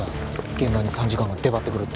現場に参事官が出張ってくるって。